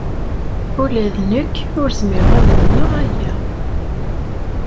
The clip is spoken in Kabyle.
Ula d nekk ur zmireɣ ad amneɣ aya.